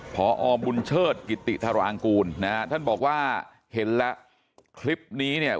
พอบุญเชิดกิติธารางกูลนะฮะท่านบอกว่าเห็นแล้วคลิปนี้เนี่ย